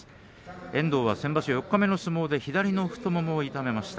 遠藤は先場所四日目の相撲で左の太ももを痛めました。